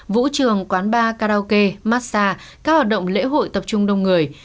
vũ trường quán bar karaoke massage các hoạt động lễ hội tập trung đông người